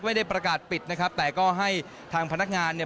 ไม่ได้ประกาศปิดนะครับแต่ก็ให้ทางพนักงานเนี่ย